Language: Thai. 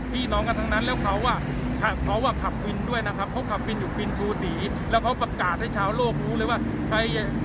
พี่น้องกันทั้งนั้นแล้วเขาอ่ะเขาอ่ะขับวินด้วยนะครับเขาขับวินอยู่วินชูศรีแล้วเขาประกาศให้ชาวโลกรู้เลยว่าใคร